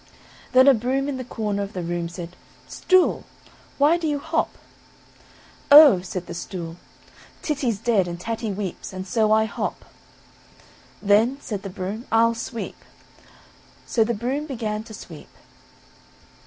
Then a broom in the corner of the room said, "Stool, why do you hop?" "Oh!" said the stool, "Titty's dead, and Tatty weeps, and so I hop;" "then," said the broom, "I'll sweep," so the broom began to sweep.